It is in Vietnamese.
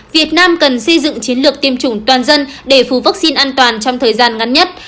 việt nam cần xây dựng chiến lược tiêm chủng toàn dân để phù vắc xin an toàn trong thời gian ngắn nhất